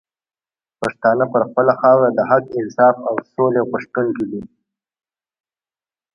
پښتانه پر خپله خاوره د حق، انصاف او سولي غوښتونکي دي